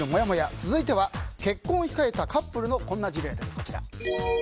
続いては、結婚を控えたカップルのこんな事例です。